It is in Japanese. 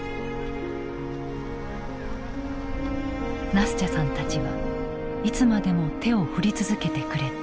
ナスチャさんたちはいつまでも手を振り続けてくれた。